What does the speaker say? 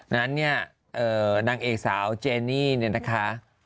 เนั่นนางเอกสาวเซนี่นนะคะ